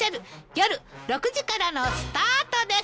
夜６時からのスタートです。